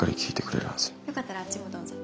よかったらあっちもどうぞ。